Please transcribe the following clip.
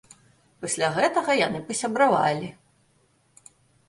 Пасля гэтага яны пасябравалі.